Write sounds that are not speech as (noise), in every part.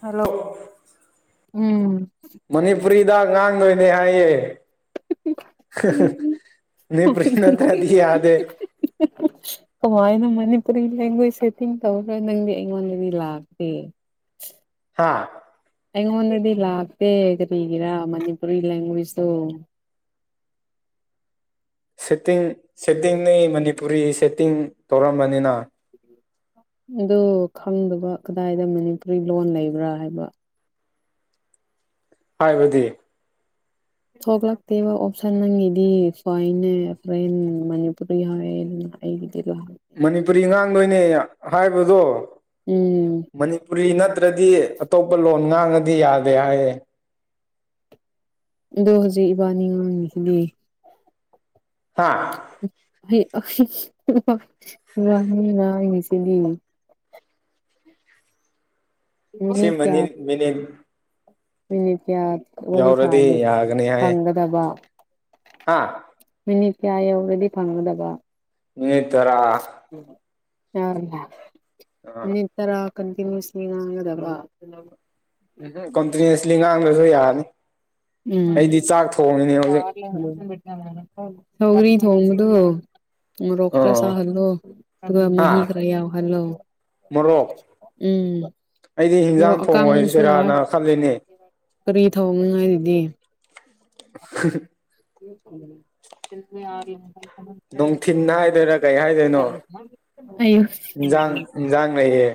hello ꯎꯝ ꯃꯅꯤꯄꯨꯔꯤ ꯍꯤꯗꯥꯛ ꯉꯥꯡꯗꯣꯏꯅꯦ ꯍꯥꯏꯌꯦ ꯅ ꯄ꯭ꯔꯦꯅ ꯇꯗꯤ ꯌꯥꯗꯦ ꯀꯃꯥꯏꯅ ꯃꯅꯤꯄꯨꯔꯤ ꯂꯦꯡꯒ꯭ꯋꯦꯁ ꯁꯦꯇꯤꯡ ꯇꯧꯔꯒ ꯅꯪꯗꯤ ꯑꯩꯉꯣꯟꯗꯗꯤ ꯂꯥꯛꯇꯦ (unintelligible) ꯍꯥ ꯑꯩꯉꯣꯟꯗꯗꯤ ꯂꯥꯛꯇꯦ ꯀꯔꯤꯒꯤꯔꯥ ꯃꯅꯤꯄꯨꯔꯤ ꯂꯦꯡꯒ꯭ꯋꯦꯖꯇꯣ ꯁꯦꯠꯇꯤꯡ ꯁꯦꯠꯇꯤꯡꯅꯤ ꯃꯅꯤꯄꯨꯔꯤ ꯁꯦꯠꯇꯤꯡ ꯇꯧꯔꯝꯕꯅꯤꯅ ꯑꯗꯨ ꯈꯪꯗꯕ ꯀꯗꯥꯏꯗ ꯃꯅꯤꯄꯨꯔꯤ ꯂꯣꯟ ꯂꯩꯕ꯭ꯔꯥ ꯍꯥꯏꯕ ꯍꯥꯏꯕꯗꯤ ꯊꯣꯛꯂꯛꯇꯦꯕ ꯑꯣꯞꯁꯟ ꯅꯪꯒꯤꯗꯤ ꯐꯥꯏꯅꯦ ꯐꯣꯔꯦꯟ ꯃꯅꯤꯄꯨꯔꯤ ꯍꯥꯏꯌꯦꯅ ꯑꯩꯒꯤꯗꯤꯀ‌ꯣ ꯃꯅꯤꯄꯨꯔꯤ ꯉꯥꯡꯗꯣꯏꯅꯦ ꯍꯥꯏꯕꯗꯣ ꯎꯝ ꯃꯅꯤꯄꯨꯔꯤ ꯅꯠ ꯅꯠꯇ꯭ꯔꯗꯤ ꯑꯇꯣꯞꯄ ꯂꯣꯟ ꯉꯥꯡꯉꯗꯤ ꯌꯥꯗꯦ ꯍꯥꯏꯌꯦ ꯗꯣ ꯍꯧꯖꯤꯛ ꯏꯕꯥꯅꯤ ꯉꯥꯡꯏꯁꯤꯗꯤ ꯍꯥꯥ (unintelligible) ꯁꯤꯗꯤ ꯁꯤ ꯃꯤꯅꯤꯠ ꯀꯌꯥ ꯃꯅꯤꯜ ꯃꯅꯤꯠ ꯃꯤꯅꯤꯠ ꯀꯌꯥ ꯋꯥꯔꯤ ꯁꯥꯔꯗꯤ ꯌꯧꯔꯗꯤ ꯐꯪꯒꯗꯕ ꯍꯥꯥ ꯃꯤꯅꯤꯠ ꯀꯌꯥ ꯌꯧꯔꯗꯤ ꯐꯪꯒꯗꯕ ꯃꯤ ꯇꯔꯥ ꯌꯥꯔ ꯏ ꯑꯥ ꯏꯇꯔ ꯀꯟꯇ ꯁꯗꯕ ꯎꯝ ꯀꯣꯟꯇꯤꯗꯦꯟꯁꯂꯤ ꯉꯥꯡꯗꯁꯨ ꯌꯥꯔꯅꯤ ꯎꯝ ꯐꯥꯔ ꯍ꯭ꯔꯤ ꯍꯣꯡꯃꯗꯨ ꯔꯣꯈꯔ ꯁꯥ ꯑꯣ ꯍꯂꯣ ꯑꯗꯨꯒ ꯃ ꯍꯥ ꯈ ꯍꯜꯂꯣ ꯃꯣꯔꯣꯛ ꯎꯝ ꯑꯩꯗꯤ ꯃꯣꯔꯣꯛ ꯍꯤꯟꯖꯥꯡ ꯊꯣꯡꯉꯣꯏ ꯑꯀꯥꯡꯕꯁꯨ ꯌꯥꯏ ꯆꯦꯔꯥꯅ ꯈꯜꯂꯤꯅꯦ ꯀꯔꯤ ꯊꯧꯅꯤꯉꯥꯏꯗꯨꯗꯤ (unintelligible) (inaudible) ꯅꯣꯡ ꯊꯤꯟꯅ ꯍꯥꯏꯗꯔ ꯀꯩ ꯍꯥꯏꯗꯣꯏꯅꯣ ꯑꯌꯨꯛ ꯏꯟꯖꯥꯡ ꯏꯟꯖꯥꯡ ꯂꯩꯌꯦ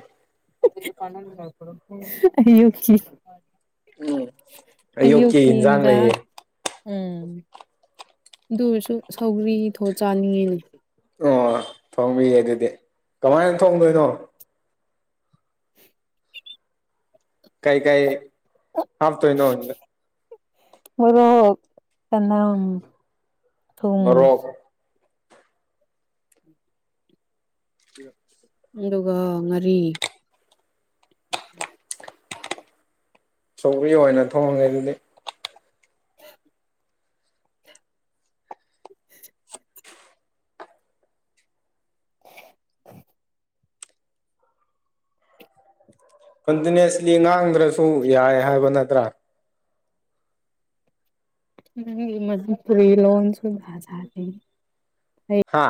(unintelligible) ꯑꯌꯨ ꯑꯌꯨꯛꯀꯤ ꯏꯟꯖꯥꯡ ꯀꯤꯗ ꯂꯩꯌꯦ ꯎꯝ ꯑꯗꯨꯔꯁꯨ ꯁꯧꯒ꯭ꯔꯤ ꯊꯣ ꯆꯥꯅꯤꯡꯉꯤꯅꯦ ꯑꯣ ꯊꯣꯡꯕꯤꯌꯦ ꯑꯗꯨꯗꯤ ꯀꯃꯥꯏꯅ ꯊꯣꯡꯗꯣꯏꯅꯣ (unintelligible) ꯀꯥꯏ ꯀꯥꯏ ꯍꯥꯐ ꯇꯏ ꯅꯗ ꯃꯣꯔꯣꯛ ꯆꯅꯝ ꯊꯨꯝ ꯃꯣꯔꯣꯛ ꯑꯗꯨꯒ ꯉꯥꯔꯤ ꯁꯧ ꯑꯣꯏꯅ ꯊꯣꯡꯉꯦ ꯑꯗꯨꯗꯤ (unintelligible) ꯀꯟꯇꯤꯅꯨꯁꯂꯤ ꯉꯥꯡꯗ꯭ꯔꯁꯨ ꯌꯥꯏ ꯍꯥꯏꯕ ꯅꯠꯇ꯭ꯔꯥ ꯅꯪ ꯃ ꯐꯨꯔꯤ ꯂꯣꯟꯣꯟꯁꯨ ꯆꯦ ꯍꯥ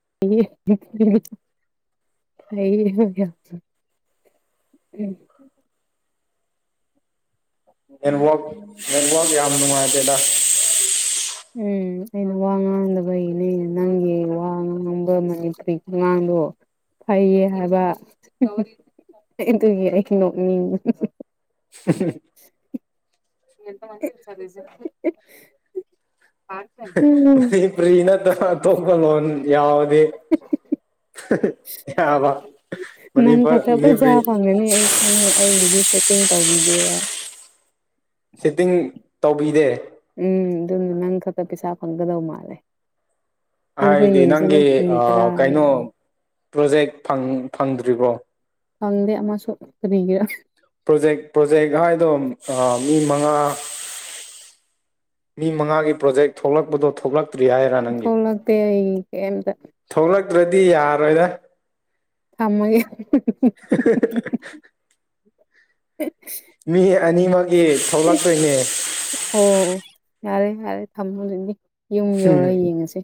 (unintelligible) ꯎꯝ ꯅꯕ ꯌꯦꯋꯥꯛ ꯌꯥꯝ ꯅꯨꯡꯉꯥꯏꯇꯦꯗ ꯎꯝ ꯑꯩꯅ ꯋꯥ ꯉꯥꯡꯗꯕꯩꯅꯦ ꯑꯩꯅ ꯅꯪꯒꯤ ꯋꯥ ꯑꯥꯡꯕ ꯃꯅꯤꯄꯨꯔꯤ ꯑꯉꯥꯡꯗꯣ ꯐꯩꯌꯦ ꯍꯥꯏꯕ ꯏꯇꯅꯣ ꯃꯤ ꯎ ꯌꯦ ꯃ ꯆꯂꯁ ꯃ ꯄꯔꯤꯅ ꯇ ꯇꯂꯟ ꯌꯥꯎꯗꯦ ꯅꯪ ꯃꯅꯤꯄꯨꯔ ꯈꯛꯇ ꯄꯨꯖꯥ ꯃꯅꯤꯄꯨꯔꯤ ꯐꯪꯉꯥꯅꯤ ꯑꯩ ꯈꯪꯉꯦ ꯑꯩꯒꯤꯗꯤ ꯁꯦꯠꯇꯤꯡ ꯇꯧꯕꯤꯗꯦꯕ ꯁꯦꯠꯇꯤꯡ ꯇꯧꯕꯤꯔꯦ ꯎꯝ ꯑꯗꯨꯝꯅ ꯅꯪ ꯈꯛꯇ ꯄꯩꯁꯥ ꯐꯪꯒꯗꯧ ꯃꯥꯜꯂꯦ ꯑꯗꯨꯁꯨ ꯍꯥꯏꯗꯤ ꯌꯦꯡꯁꯤꯅꯦ ꯅꯪꯒꯤ ꯃꯤꯅꯤꯠ ꯇꯔꯥ ꯀꯩꯅꯣ ꯌꯧꯔꯦ ꯄ꯭ꯔꯣꯖꯦꯛ ꯐꯪ ꯐꯪꯗ꯭ꯔꯤꯕ꯭ꯔꯣ ꯁꯪꯗꯦ ꯑꯃ ꯁꯣꯛ ꯀꯔꯤꯒ ꯄ꯭ꯔꯣꯖꯦꯛ ꯄ꯭ꯔꯣꯖꯦꯛ ꯍꯥꯏꯗꯣ ꯃꯤ ꯃꯉꯥ ꯃꯤ ꯃꯉꯥꯒꯤ ꯄ꯭ꯔꯣꯖꯦꯛ ꯊꯣꯛꯂꯛꯄꯗꯣ ꯊꯣꯛꯂꯛ ꯊꯣꯂꯛꯇꯦ ꯑꯩ ꯀꯌꯤꯝꯇꯥ ꯊꯣꯛꯂꯛꯇ꯭ꯔꯗꯤ ꯌꯥꯔꯣꯏꯗ ꯊꯝꯃꯥꯒꯦ (unintelligible) ꯃꯤ ꯑꯅꯤꯃꯛꯀꯤ ꯊꯣꯛꯂꯛꯇꯣꯏꯅꯦ ꯑꯣ ꯌꯥꯔꯦ ꯌꯥꯔꯦ ꯊꯝꯃꯅꯤ ꯌꯨꯝ ꯎꯝ ꯌꯧꯔꯒ ꯌꯦꯡꯉꯁꯤ